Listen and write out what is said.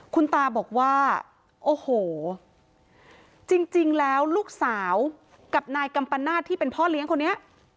คุณตาบอกว่าโอ้โหจริงแล้วลูกสาวกับนายกัมปนาศที่เป็นพ่อเลี้ยงคนนี้